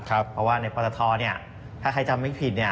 เพราะว่าในปตทถ้าใครจำไม่ผิด